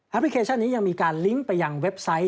พลิเคชันนี้ยังมีการลิงก์ไปยังเว็บไซต์